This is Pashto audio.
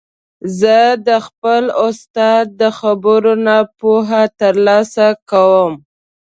زه د خپل استاد د خبرو نه پوهه تر لاسه کوم.